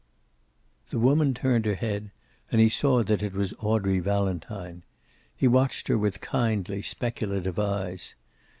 The woman turned her head, and he saw that it was Audrey Valentine. He watched her with kindly, speculative eyes.